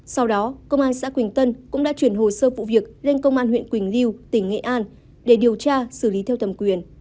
sau đó công an xã quỳnh tân cũng đã chuyển hồ sơ vụ việc lên công an huyện quỳnh lưu tỉnh nghệ an để điều tra xử lý theo thẩm quyền